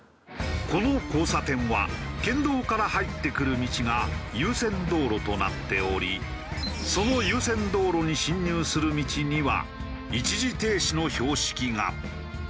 この交差点は県道から入ってくる道が優先道路となっておりその優先道路に進入する道には一時停止の標識が。